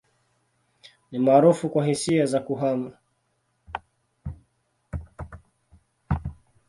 Ni maarufu kwa hisia za kuhama.